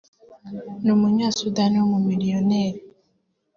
ni umunya-Sudani w’umumiliyoneri